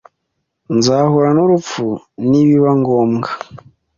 Nzahura nurupfu, nibiba ngombwa.